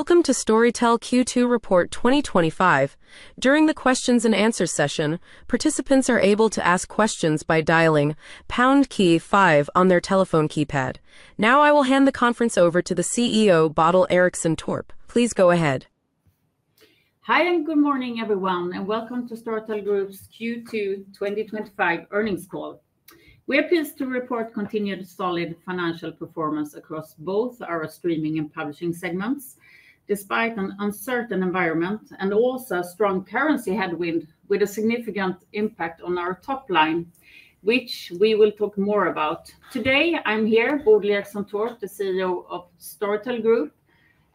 Welcome to Storytel Q2 Report 2025. During the questions and answers session, participants are able to ask questions by dialing #Q5 on their telephone keypad. Now, I will hand the conference over to the CEO, Bodil Eriksson Torp. Please go ahead. Hi and good morning, everyone, and welcome to Storytel AB's Q2 2025 earnings call. We are pleased to report continued solid financial performance across both our streaming and publishing segments, despite an uncertain environment and also a strong currency headwind with a significant impact on our top line, which we will talk more about. Today, I'm here with Bodil Eriksson Torp, the CEO of Storytel AB,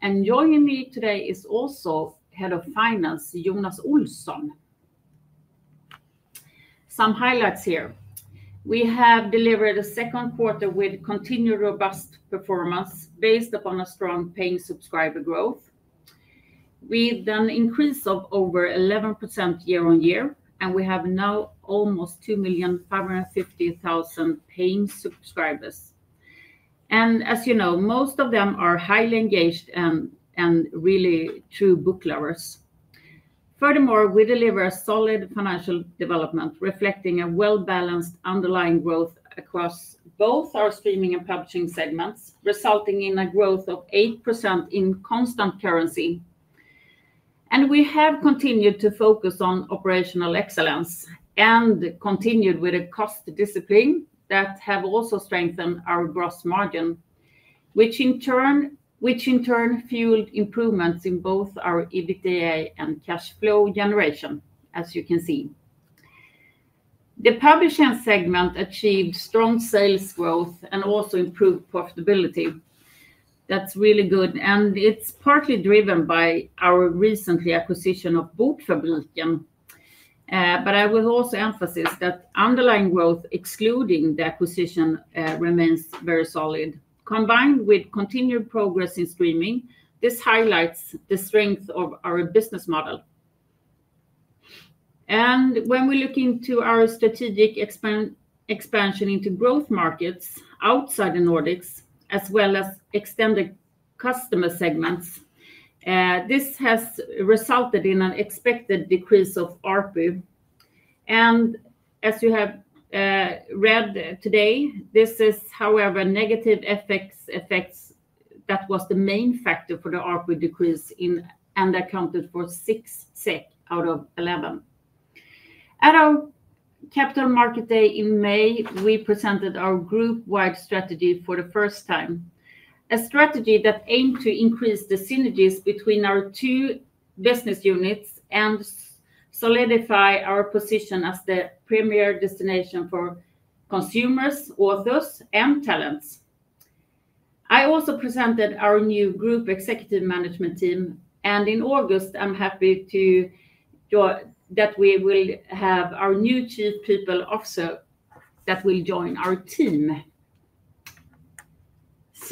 and joining me today is also Head of Finance, Jonas Olson. Some highlights here: we have delivered a second quarter with continued robust performance based upon a strong paying subscriber growth, with an increase of over 11% year-on-year, and we have now almost 2,550,000 paying subscribers. As you know, most of them are highly engaged and really true book lovers. Furthermore, we deliver solid financial development, reflecting a well-balanced underlying growth across both our streaming and publishing segments, resulting in a growth of 8% in constant currency. We have continued to focus on operational excellence and continued with a cost discipline that has also strengthened our gross margin, which in turn fueled improvements in both our EBITDA and cash flow generation, as you can see. The publishing segment achieved strong sales growth and also improved profitability. That's really good, and it's partly driven by our recent acquisition of Bookfabriken. I will also emphasize that underlying growth, excluding the acquisition, remains very solid. Combined with continued progress in streaming, this highlights the strength of our business model. When we look into our strategic expansion into growth markets outside the Nordics, as well as extended customer segments, this has resulted in an expected decrease of ARPU. As you have read today, this is however negative effects that was the main factor for the ARPU decrease and accounted for 6% out of 11%. At our Capital Market Day in May, we presented our group-wide strategy for the first time, a strategy that aimed to increase the synergies between our two business units and solidify our position as the premier destination for consumers, authors, and talents. I also presented our new group executive management team, and in August, I'm happy to know that we will have our new Chief People Officer that will join our team.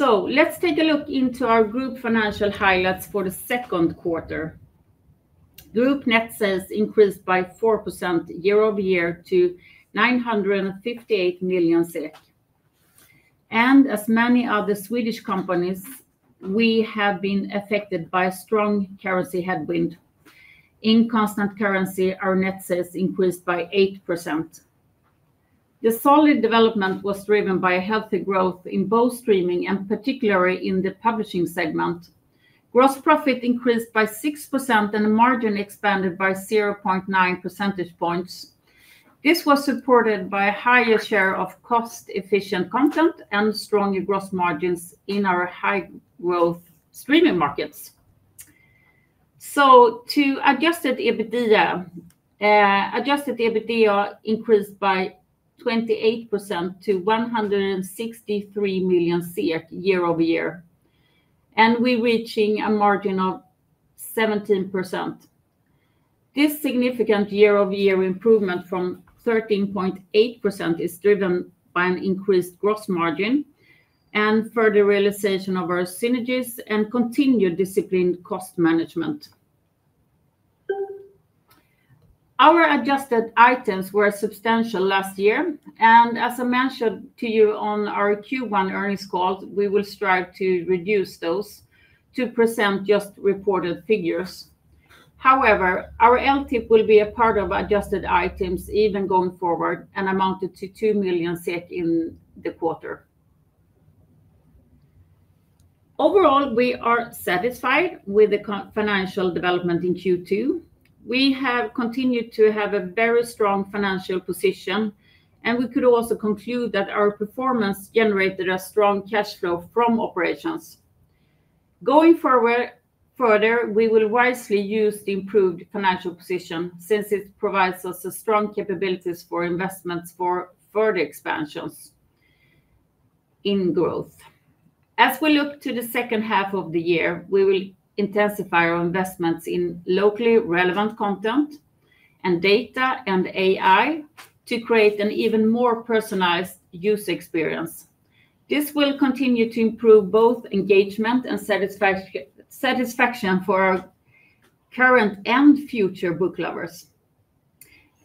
Let's take a look into our group financial highlights for the second quarter. Group net sales increased by 4% year-over-year to 958 million SEK. As many other Swedish companies, we have been affected by a strong currency headwind. In constant currency, our net sales increased by 8%. The solid development was driven by healthy growth in both streaming and particularly in the publishing segment. Gross profit increased by 6% and margin expanded by 0.9 percentage points. This was supported by a higher share of cost-efficient content and stronger gross margins in our high-growth streaming markets. Adjusted EBITDA increased by 28% to 163 million year-over-year, and we're reaching a margin of 17%. This significant year-over-year improvement from 13.8% is driven by an increased gross margin and further realization of our synergies and continued disciplined cost management. Our adjusted items were substantial last year, and as I mentioned to you on our Q1 earnings call, we will strive to reduce those to present just reported figures. However, our LTV will be a part of adjusted items even going forward and amounted to 2 million in the quarter. Overall, we are satisfied with the financial development in Q2. We have continued to have a very strong financial position, and we could also conclude that our performance generated a strong cash flow from operations. Going forward, we will wisely use the improved financial position since it provides us strong capabilities for investments for further expansions in growth. As we look to the second half of the year, we will intensify our investments in locally relevant content and data and AI to create an even more personalized user experience. This will continue to improve both engagement and satisfaction for our current and future book lovers.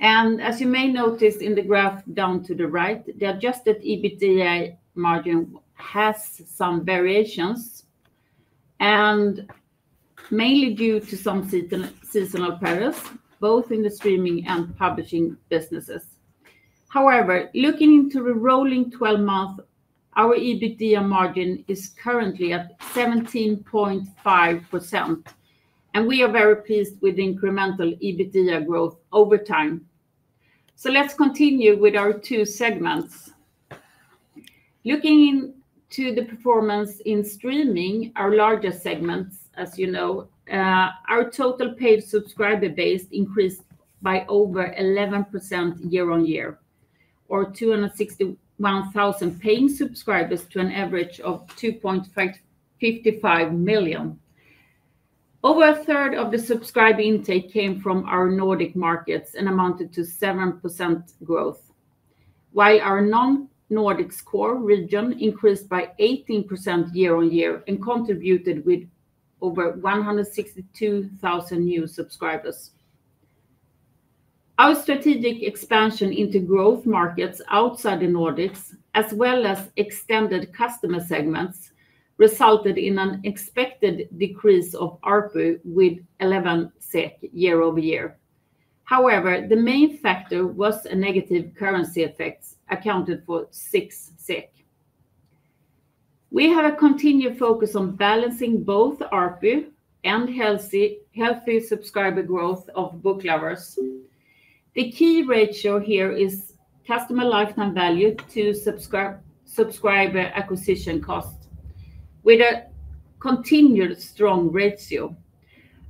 As you may notice in the graph down to the right, the adjusted EBITDA margin has some variations, mainly due to some seasonal pairs, both in the streaming and publishing businesses. However, looking into the rolling 12-month, our EBITDA margin is currently at 17.5%, and we are very pleased with the incremental EBITDA growth over time. Let's continue with our two segments. Looking into the performance in streaming, our larger segment, as you know, our total paid subscriber base increased by over 11% year-on-year, or 261,000 paying subscribers to an average of 2.55 million. Over a third of the subscriber intake came from our Nordic markets and amounted to 7% growth, while our non-Nordic core region increased by 18% year-on-year and contributed with over 162,000 new subscribers. Our strategic expansion into growth markets outside the Nordics, as well as extended customer segments, resulted in an expected decrease of ARPU with 11 SEK year-over-year. However, the main factor was a negative currency effect, accounted for 6 SEK. We have a continued focus on balancing both ARPU and healthy subscriber growth of book lovers. The key ratio here is customer lifetime value to subscriber acquisition cost, with a continued strong ratio.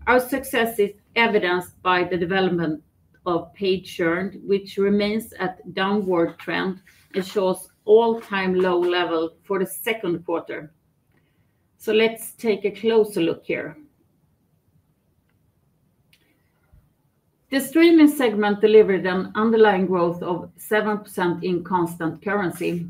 Our success is evidenced by the development of paid churn, which remains at a downward trend and shows an all-time low level for the second quarter. Let's take a closer look here. The streaming segment delivered an underlying growth of 7% in constant currency.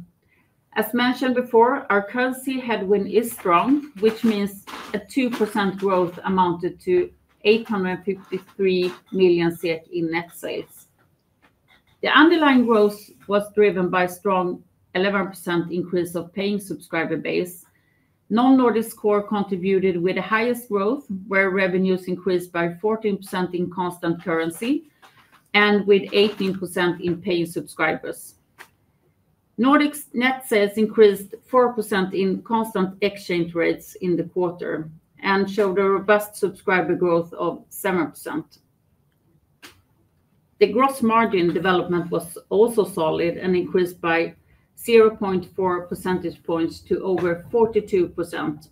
As mentioned before, our currency headwind is strong, which means a 2% growth amounted to 853 million SEK in net sales. The underlying growth was driven by a strong 11% increase of paying subscriber base. Non-Nordic core contributed with the highest growth, where revenues increased by 14% in constant currency and with 18% in paying subscribers. Nordic net sales increased 4% in constant exchange rates in the quarter and showed a robust subscriber growth of 7%. The gross margin development was also solid and increased by 0.4 percentage points to over 42%.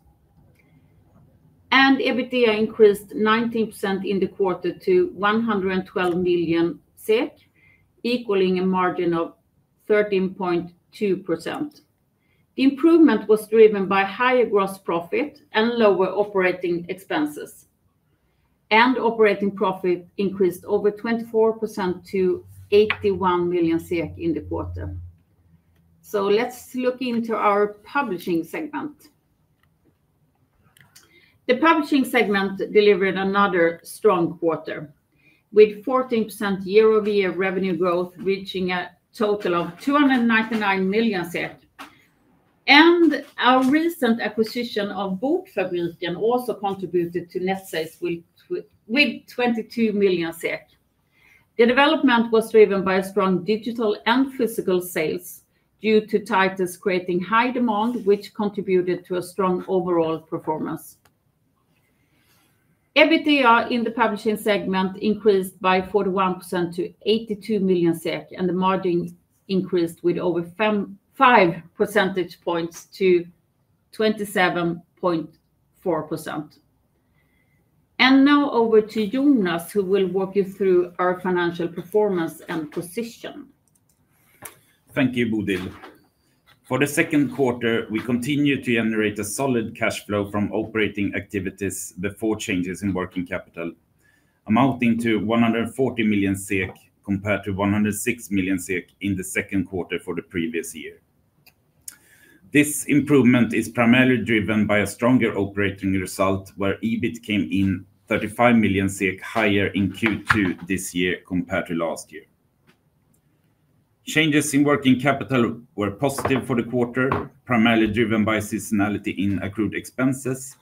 EBITDA increased 19% in the quarter to 112 million SEK, equaling a margin of 13.2%. Improvement was driven by higher gross profit and lower operating expenses. Operating profit increased over 24% to 81 million in the quarter. Let's look into our publishing segment. The publishing segment delivered another strong quarter, with 14% year-over-year revenue growth reaching a total of 299 million. Our recent acquisition of Bookfabriken also contributed to net sales with 22 million SEK. The development was driven by strong digital and physical sales due to titles creating high demand, which contributed to a strong overall performance. EBITDA in the publishing segment increased by 41% to 82 million SEK, and the margin increased with over 5 percentage points to 27.4%. Now over to Jonas, who will walk you through our financial performance and position. Thank you, Bodil. For the second quarter, we continued to generate a solid cash flow from operating activities before changes in working capital, amounting to 140 million SEK compared to 106 million SEK in the second quarter for the previous year. This improvement is primarily driven by a stronger operating result, where EBIT came in 35 million higher in Q2 this year compared to last year. Changes in working capital were positive for the quarter, primarily driven by seasonality in accrued expenses.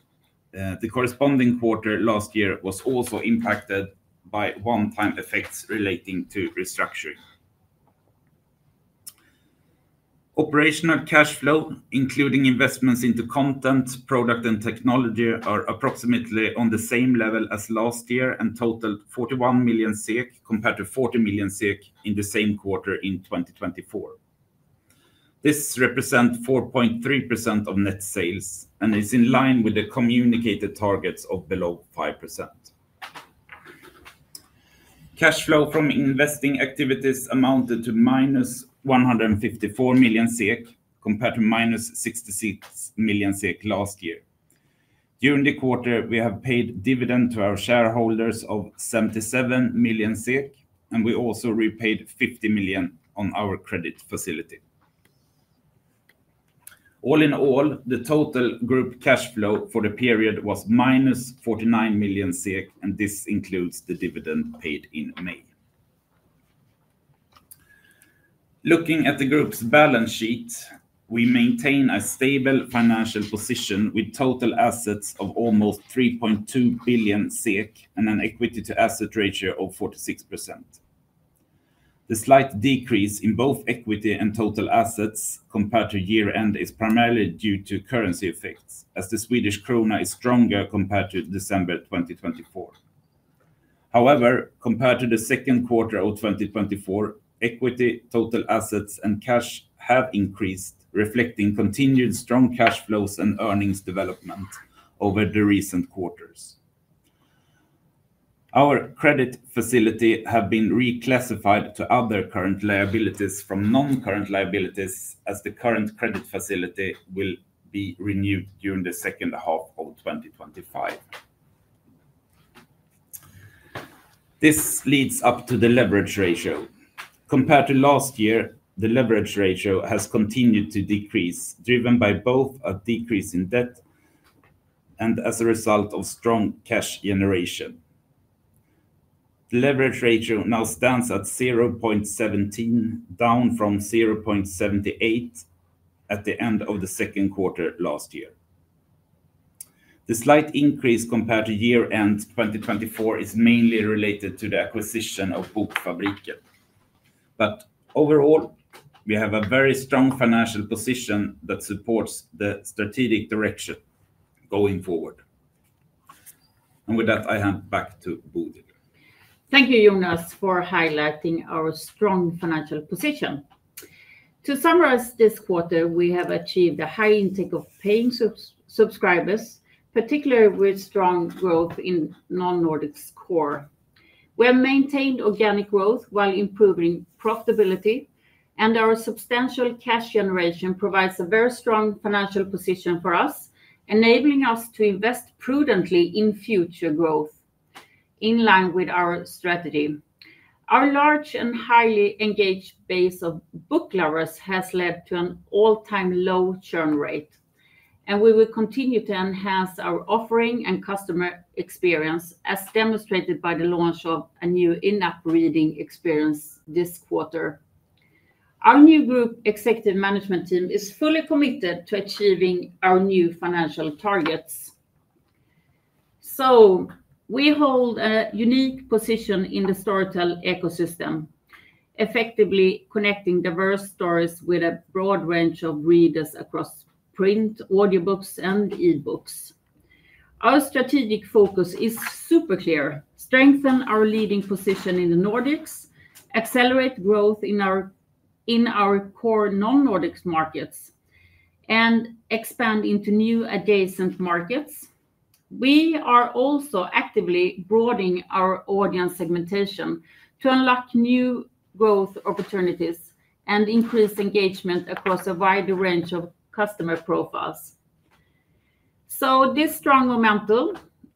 The corresponding quarter last year was also impacted by one-time effects relating to restructuring. Operational cash flow, including investments into content, product, and technology, are approximately on the same level as last year and totaled 41 million compared to 40 million in the same quarter in 2024. This represents 4.3% of net sales and is in line with the communicated targets of below 5%. Cash flow from investing activities amounted to minus 154 million SEK compared to minus 66 million SEK last year. During the quarter, we have paid dividends to our shareholders of 77 million, and we also repaid 50 million on our credit facility. All in all, the total group cash flow for the period was minus 49 million, and this includes the dividend paid in May. Looking at the group's balance sheet, we maintain a stable financial position with total assets of almost 3.2 billion SEK and an equity-to-asset ratio of 46%. The slight decrease in both equity and total assets compared to year-end is primarily due to currency effects, as the Swedish krona is stronger compared to December 2024. However, compared to the second quarter of 2024, equity, total assets, and cash have increased, reflecting continued strong cash flows and earnings development over the recent quarters. Our credit facility has been reclassified to other current liabilities from non-current liabilities, as the current credit facility will be renewed during the second half of 2025. This leads up to the leverage ratio. Compared to last year, the leverage ratio has continued to decrease, driven by both a decrease in debt and as a result of strong cash generation. The leverage ratio now stands at 0.17, down from 0.78 at the end of the second quarter last year. The slight increase compared to year-end 2024 is mainly related to the acquisition of Bookfabriken. Overall, we have a very strong financial position that supports the strategic direction going forward. With that, I hand back to Bodil. Thank you, Jonas, for highlighting our strong financial position. To summarize this quarter, we have achieved a high intake of paying subscribers, particularly with strong growth in non-Nordic core. We have maintained organic growth while improving profitability, and our substantial cash generation provides a very strong financial position for us, enabling us to invest prudently in future growth in line with our strategy. Our large and highly engaged base of book lovers has led to an all-time low churn rate, and we will continue to enhance our offering and customer experience, as demonstrated by the launch of a new in-app reading experience this quarter. Our new Group Executive Management Team is fully committed to achieving our new financial targets. We hold a unique position in the Storytel ecosystem, effectively connecting diverse stories with a broad range of readers across print, audiobooks, and e-books. Our strategic focus is super clear: strengthen our leading position in the Nordics, accelerate growth in our core non-Nordic markets, and expand into new adjacent markets. We are also actively broadening our audience segmentation to unlock new growth opportunities and increase engagement across a wider range of customer profiles. This strong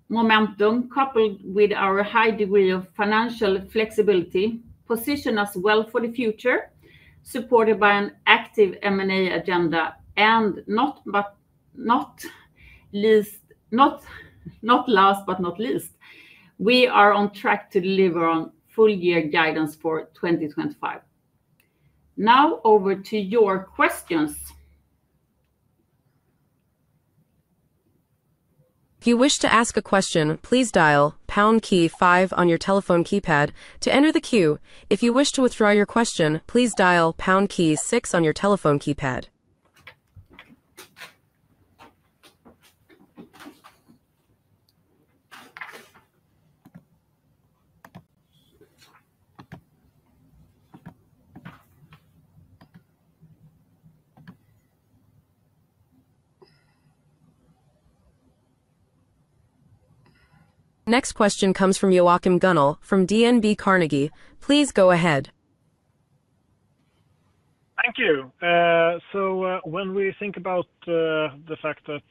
momentum, coupled with our high degree of financial flexibility, positions us well for the future, supported by an active M&A agenda. Not last but not least, we are on track to deliver on full-year guidance for 2025. Now over to your questions. If you wish to ask a question, please dial #Q5 on your telephone keypad to enter the queue. If you wish to withdraw your question, please dial #Q6 on your telephone keypad. Next question comes from Joachim Gunnal from DNB Carnegie. Please go ahead. Thank you. When we think about the fact that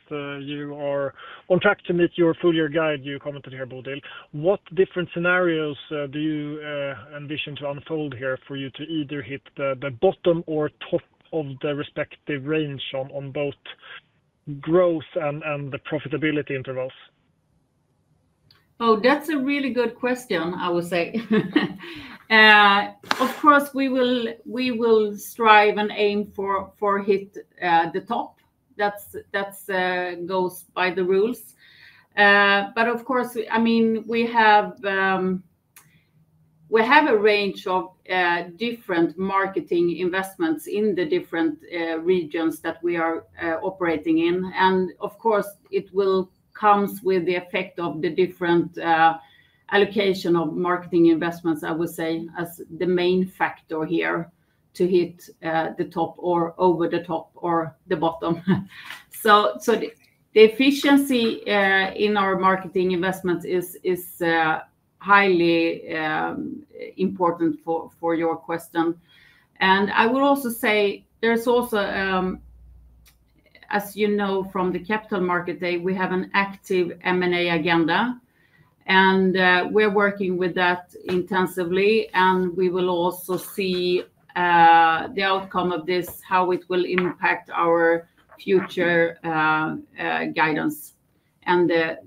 you are on track to meet your full-year guide, you commented here, Bodil, what different scenarios do you envision to unfold here for you to either hit the bottom or top of the respective range on both growth and the profitability intervals? Oh, that's a really good question, I would say. Of course, we will strive and aim for hitting the top. That goes by the rules. We have a range of different marketing investments in the different regions that we are operating in. It comes with the effect of the different allocation of marketing investments, I would say, as the main factor here to hit the top or over the top or the bottom. The efficiency in our marketing investments is highly important for your question. I will also say, as you know from the Capital Market Day, we have an active M&A agenda, and we're working with that intensively. We will also see the outcome of this, how it will impact our future guidance and the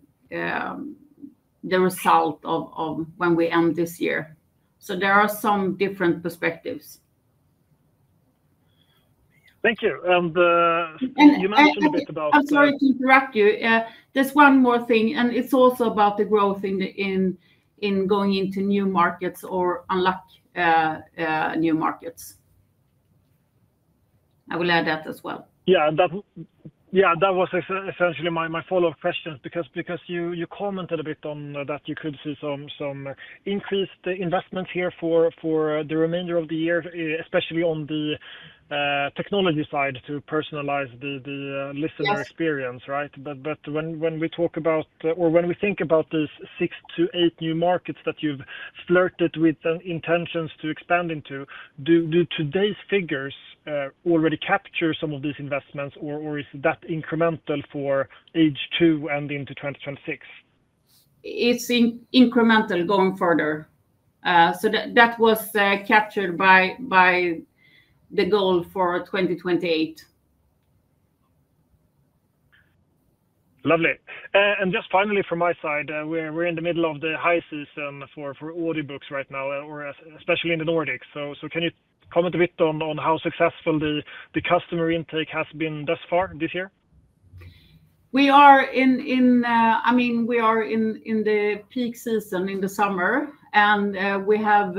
result of when we end this year. There are some different perspectives. Thank you. You mentioned a bit about. I'm sorry to interrupt you. Just one more thing, it's also about the growth in going into new markets or unlock new markets. I will add that as well. Yeah, that was essentially my follow-up question because you commented a bit on that. You could see some increased investments here for the remainder of the year, especially on the technology side to personalize the listener experience, right? When we talk about or when we think about these six to eight new markets that you've flirted with and intentions to expand into, do today's figures already capture some of these investments, or is that incremental for H2 and into 2026? It's incremental going further, that was captured by the goal for 2028. Lovely. Just finally, from my side, we're in the middle of the high season for audiobooks right now, especially in the Nordics. Can you comment a bit on how successful the customer intake has been thus far this year? We are in the peak season in the summer, and we have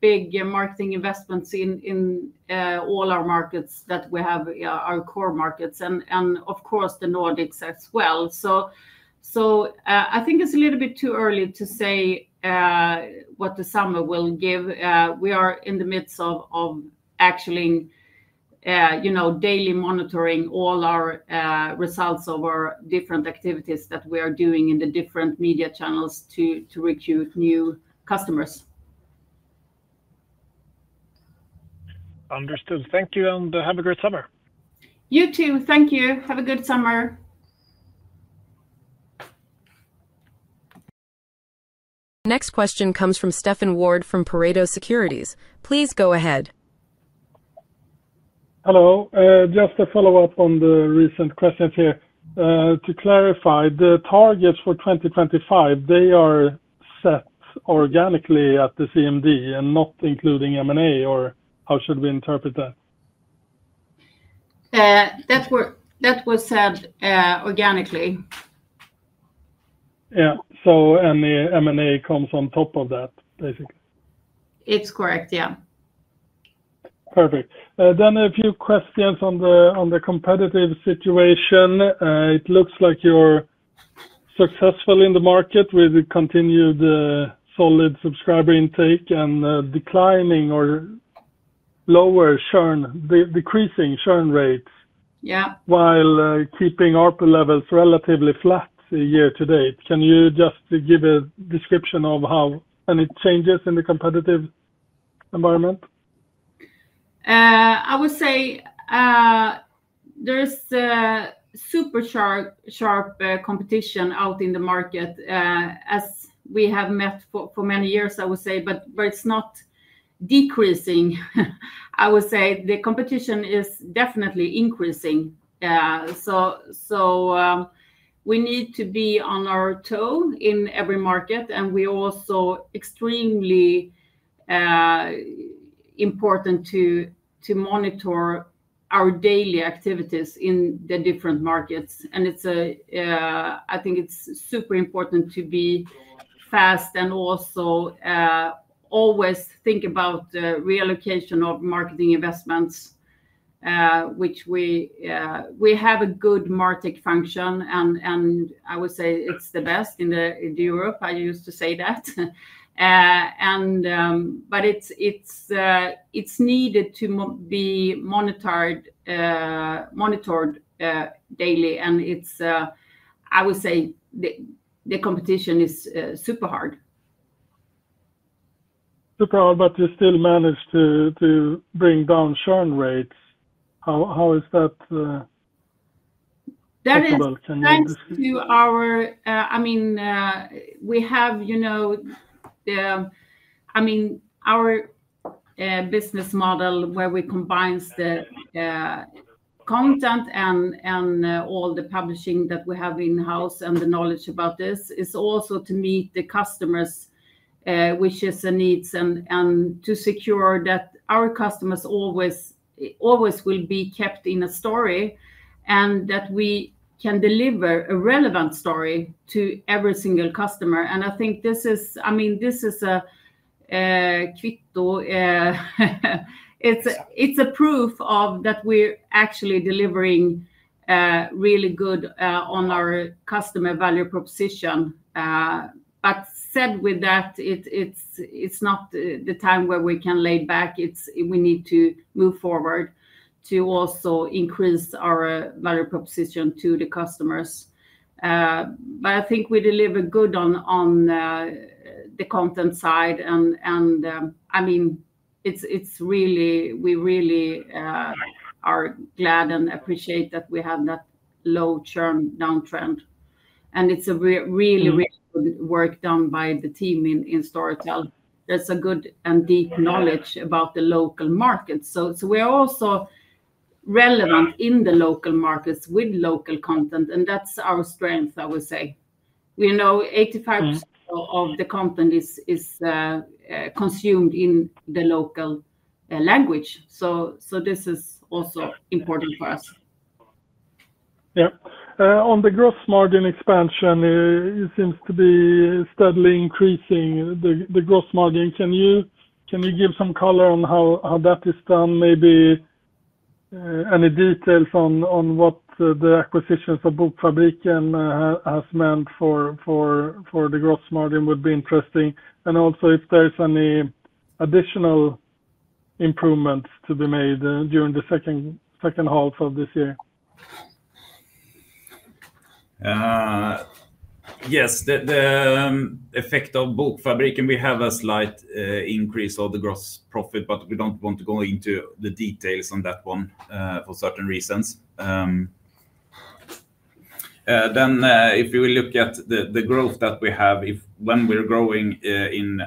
big marketing investments in all our markets that we have, our core markets, and of course, the Nordics as well. I think it's a little bit too early to say what the summer will give. We are in the midst of actually daily monitoring all our results of our different activities that we are doing in the different media channels to reach new customers. Understood. Thank you, and have a great summer. You too. Thank you. Have a good summer. Next question comes from Stefan Ward from Pareto Securities. Please go ahead. Hello. Just to follow up on the recent questions here. To clarify, the targets for 2025, they are set organically at the CMD and not including M&A, or how should we interpret that? That was said organically. Yeah, any M&A comes on top of that, basically. It's correct, yeah. Perfect. A few questions on the competitive situation. It looks like you're successful in the market with continued solid subscriber intake and lower churn, decreasing churn rates, yeah, while keeping ARPU levels relatively flat year to date. Can you just give a description of how any changes in the competitive environment? I would say there's super sharp competition out in the market, as we have met for many years, I would say, but it's not decreasing. I would say the competition is definitely increasing. We need to be on our toes in every market, and it's also extremely important to monitor our daily activities in the different markets. I think it's super important to be fast and also always think about the reallocation of marketing investments, which we have a good market function, and I would say it's the best in Europe. I used to say that. It's needed to be monitored daily, and I would say the competition is super hard. Super hard, but you still manage to bring down churn rates. How is that possible? We have our business model where we combine the content and all the publishing that we have in-house, and the knowledge about this is also to meet the customers' wishes and needs and to secure that our customers always will be kept in a story and that we can deliver a relevant story to every single customer. I think this is a quid pro quo. It's a proof that we're actually delivering really good on our customer value proposition. That said, it's not the time where we can lay back. We need to move forward to also increase our value proposition to the customers. I think we deliver good on the content side, and we really are glad and appreciate that we have that low churn downtrend. It's a really, really good work done by the team in Storytel. There's a good and deep knowledge about the local markets. We're also relevant in the local markets with local content, and that's our strength, I would say. 85% of the content is consumed in the local language. This is also important for us. On the gross margin expansion, it seems to be steadily increasing the gross margin. Can you give some color on how that is done? Maybe any details on what the acquisitions of Bookfabriken has meant for the gross margin would be interesting. If there's any additional improvements to be made during the second half of this year, that would be helpful. Yes, the effect of Bookfabriken, we have a slight increase of the gross profit, but we don't want to go into the details on that one for certain reasons. If we look at the growth that we have, when we're growing in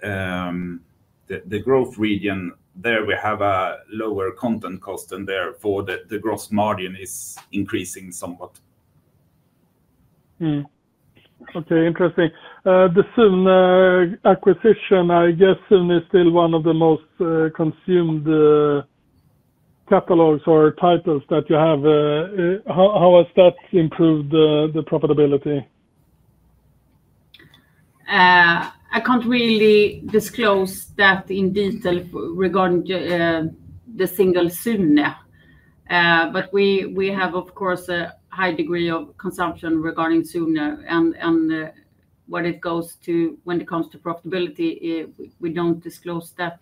the growth region, there we have a lower content cost, and therefore the gross margin is increasing somewhat. Okay, interesting. The film acquisition, I guess, is still one of the most consumed catalogs or titles that you have. How has that improved the profitability? I can't really disclose that in detail regarding the single Sunna, but we have, of course, a high degree of consumption regarding Sunna. When it comes to profitability, we don't disclose that,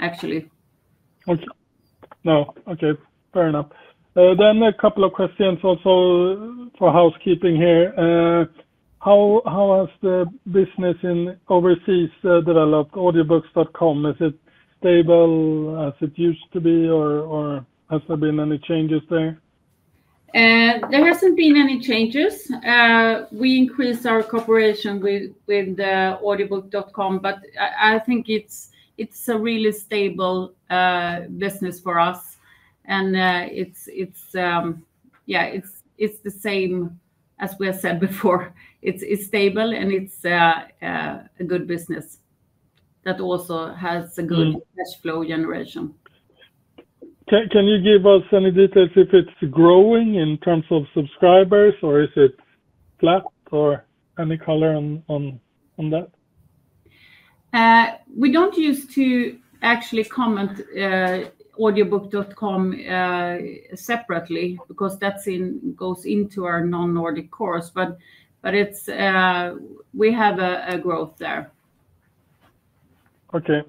actually. Okay, fair enough. A couple of questions also for housekeeping here. How has the business in overseas developed? Audiobooks.com, is it stable as it used to be, or has there been any changes there? There haven't been any changes. We increased our cooperation with Audiobook.com, but I think it's a really stable business for us. It's the same as we have said before. It's stable, and it's a good business that also has a good cash flow generation. Can you give us any details if it's growing in terms of subscribers, or is it flat, or any color on that? We don't use to actually comment Audiobook.com separately because that goes into our non-Nordic course, but we have a growth there. Okay.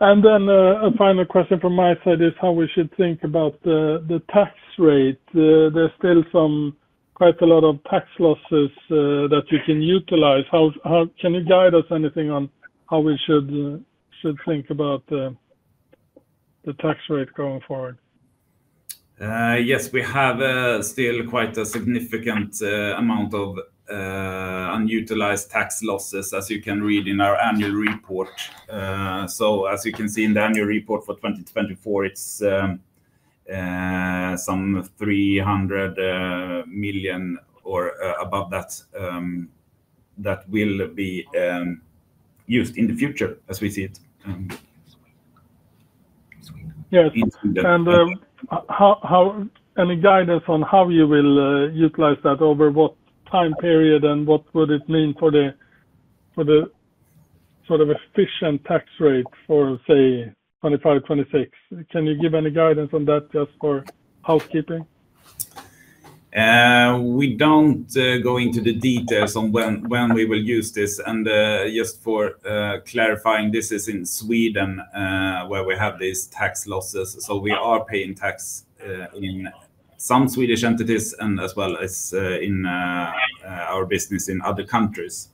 A final question from my side is how we should think about the tax rate. There's still quite a lot of tax losses that you can utilize. Can you guide us anything on how we should think about the tax rate going forward? Yes, we have still quite a significant amount of unutilized tax losses, as you can read in our annual report. As you can see in the annual report for 2024, it's some 300 million or above that that will be used in the future as we see it. Yeah, any guidance on how you will utilize that over what time period, and what would it mean for the sort of efficient tax rate for, say, 2025-2026? Can you give any guidance on that just for housekeeping? We don't go into the details on when we will use this. Just for clarifying, this is in Sweden where we have these tax losses. We are paying tax in some Swedish entities as well as in our business in other countries.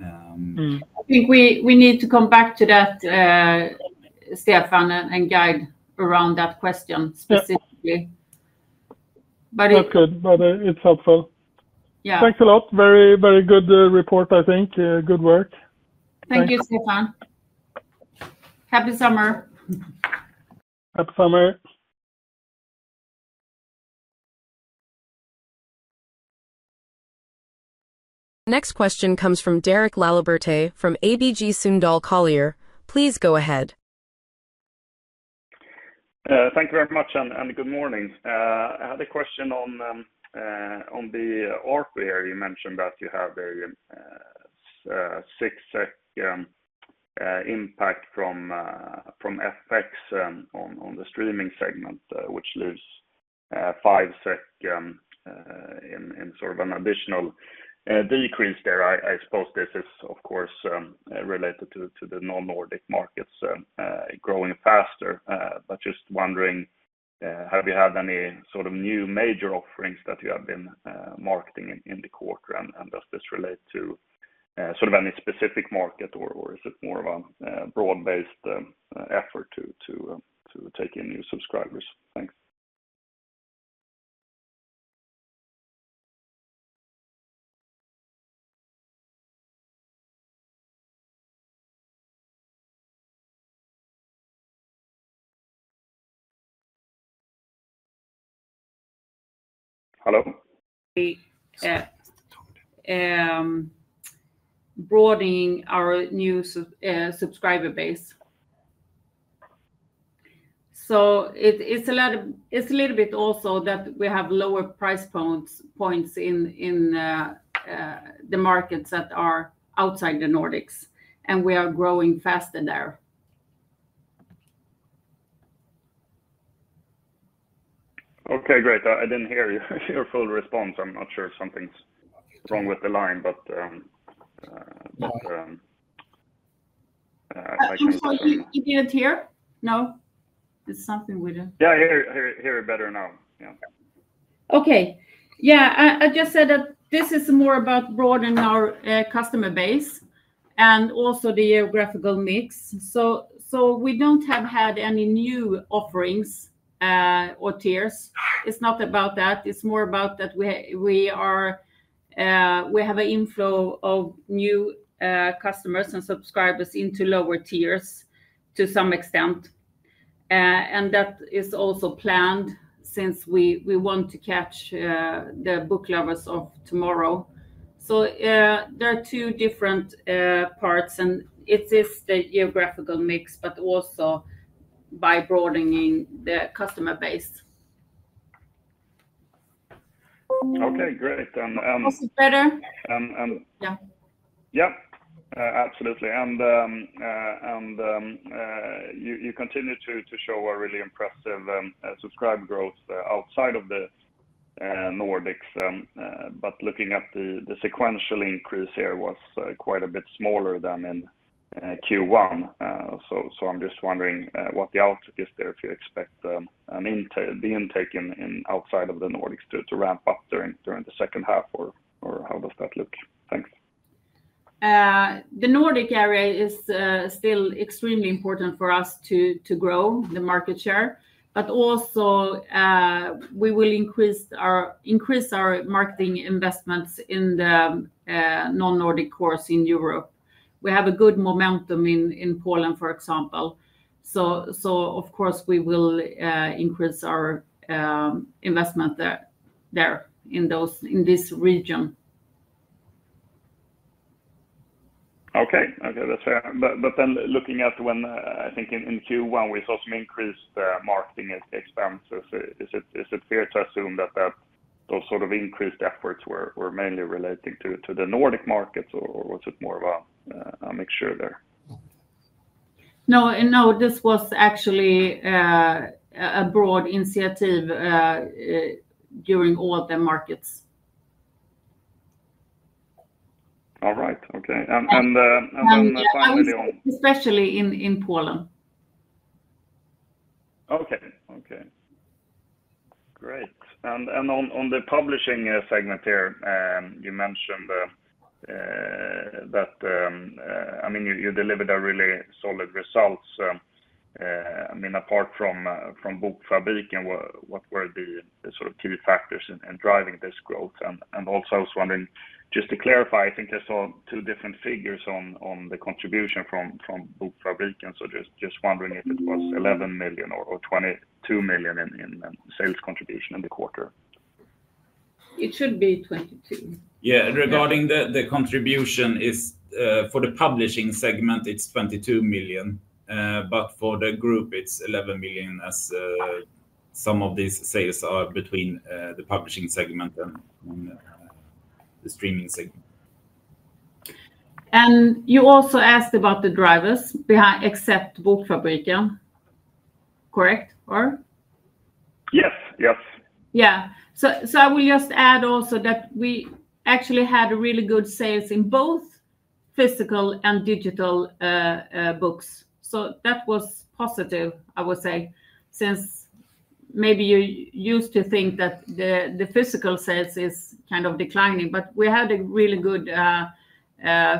I think we need to come back to that, Stefan, and guide around that question specifically. That's helpful. Yeah, thanks a lot. Very, very good report, I think. Good work. Thank you, Stefan. Happy summer. Happy summer. Next question comes from Derek Laloberte from ABG Sundal Collier. Please go ahead. Thank you very much and good morning. I had a question on the ARPU area. You mentioned that you have a $0.06 impact from FX on the streaming segment, which leaves $0.05 in sort of an additional decrease there. I suppose this is, of course, related to the non-Nordic markets growing faster. I am just wondering, have you had any sort of new major offerings that you have been marketing in the quarter? Does this relate to any specific market, or is it more of a broad-based effort to take in new subscribers? Hello? Broadening our new subscriber base, it's a little bit also that we have lower price points in the markets that are outside the Nordics, and we are growing faster there. Okay, great. I didn't hear your full response. I'm not sure if something's wrong with the line. I can't hear. No, it's something we do. Yeah, I hear it better now. Okay. I just said that this is more about broadening our customer base and also the geographical mix. We don't have had any new offerings or tiers. It's not about that. It's more about that we have an inflow of new customers and subscribers into lower tiers to some extent. That is also planned since we want to catch the book lovers of tomorrow. There are two different parts, and it is the geographical mix, but also by broadening the customer base. Okay, great. Was it better? Absolutely. You continue to show a really impressive subscriber growth outside of the Nordics. Looking at the sequential increase here, it was quite a bit smaller than in Q1. I'm just wondering what the outlook is there, if you expect the intake outside of the Nordics to ramp up during the second half, or how does that look? Thanks. The Nordic area is still extremely important for us to grow the market share, but we will also increase our marketing investments in the non-Nordic course in Europe. We have a good momentum in Poland, for example. We will increase our investment there in this region. Okay, that's fair. Looking at when I think in Q1, we saw some increased marketing expenses. Is it fair to assume that those sort of increased efforts were mainly related to the Nordics, or was it more of a mixture there? No, this was actually a broad initiative during all the markets. All right, okay. Especially in Poland. Okay, great. On the publishing segment here, you mentioned that you delivered a really solid result. Apart from Bookfabriken, what were the sort of key factors in driving this growth? I was wondering, just to clarify, I think I saw two different figures on the contribution from Bookfabriken. Just wondering if it was 11 million or 22 million in sales contribution in the quarter. It should be 22. Yeah, regarding the contribution, for the publishing segment, it's 22 million, but for the group, it's 11 million as some of these sales are between the publishing segment and the streaming segment. You also asked about the drivers behind, except Bookfabriken, correct? Yes, yes. I will just add also that we actually had really good sales in both physical and digital books. That was positive, I would say, since maybe you used to think that the physical sales is kind of declining, but we had really good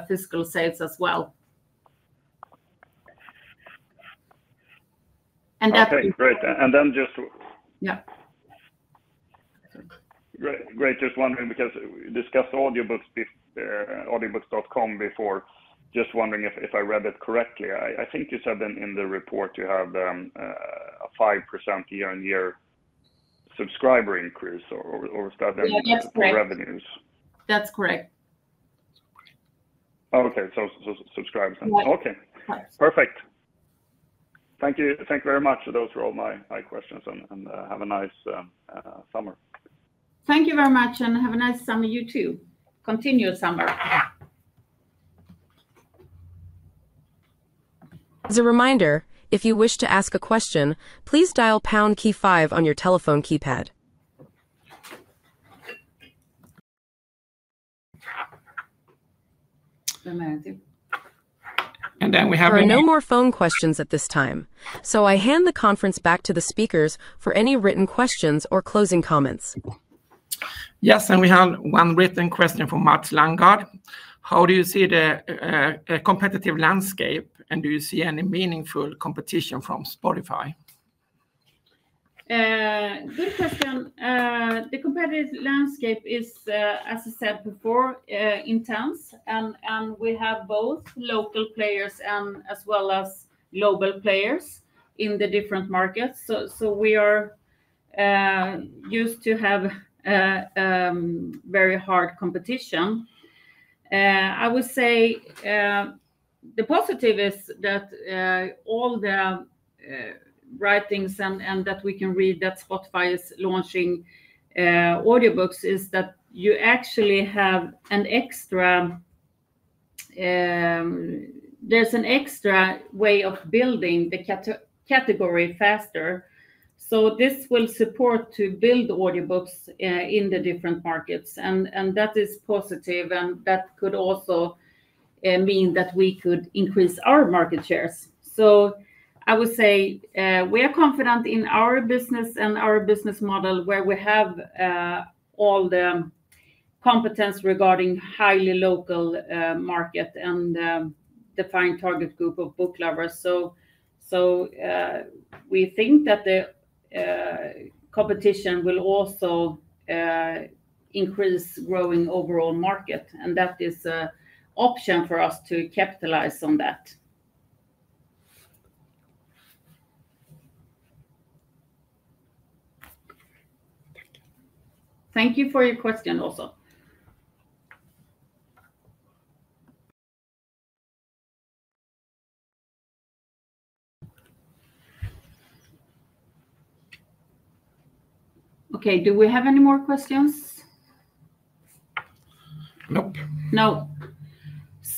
physical sales as well. Okay, great. Just wondering, because we discussed Audiobooks.com before, just wondering if I read it correctly. I think you said in the report you have a 5% year-on-year subscriber increase, or was that in revenues? That's correct. Okay, so subscribers. Okay, perfect. Thank you. Thank you very much. Those were all my questions, and have a nice summer. Thank you very much, and have a nice summer. You too. Continue your summer. As a reminder, if you wish to ask a question, please dial #Q5 on your telephone keypad. There are no more phone questions at this time. I hand the conference back to the speakers for any written questions or closing comments. Yes, we have one written question from Mats Langard. How do you see the competitive landscape, and do you see any meaningful competition from Spotify? Good question. The competitive landscape is, as I said before, intense, and we have both local players as well as global players in the different markets. We are used to have very hard competition. I would say the positive is that all the writings and that we can read that Spotify is launching audiobooks is that you actually have an extra, there's an extra way of building the category faster. This will support to build audiobooks in the different markets, and that is positive, and that could also mean that we could increase our market shares. I would say we are confident in our business and our business model where we have all the competence regarding highly local market and the defined target group of book lovers. We think that the competition will also increase growing overall market, and that is an option for us to capitalize on that. Thank you for your question also. Okay, do we have any more questions? Nope.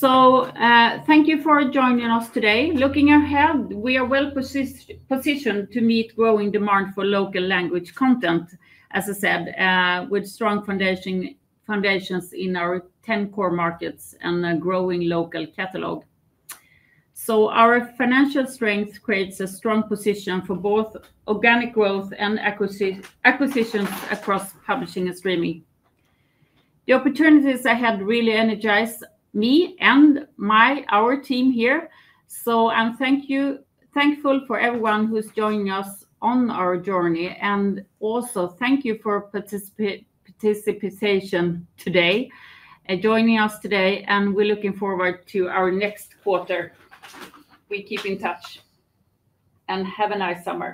Thank you for joining us today. Looking ahead, we are well positioned to meet growing demand for local language content, as I said, with strong foundations in our 10 core markets and a growing local catalog. Our financial strength creates a strong position for both organic growth and acquisitions across publishing and streaming. The opportunities ahead really energize me and our team here. Thank you, thankful for everyone who's joining us on our journey, and also thank you for participation today and joining us today. We're looking forward to our next quarter. We keep in touch and have a nice summer.